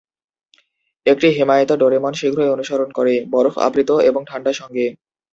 একটি হিমায়িত ডোরেমন শীঘ্রই অনুসরণ করে, বরফ আবৃত এবং ঠাণ্ডা সঙ্গে।